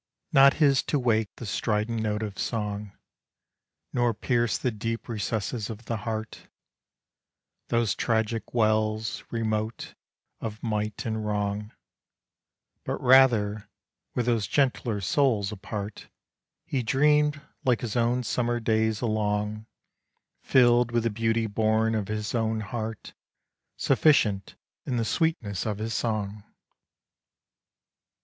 Not his to wake the strident note of song, Nor pierce the deep recesses of the heart, Those tragic wells, remote, of might and wrong; But rather, with those gentler souls apart, He dreamed like his own summer days along, Filled with the beauty born of his own heart, Sufficient in the sweetness of his song.